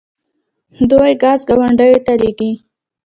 دوی ګاز ګاونډیو ته لیږي.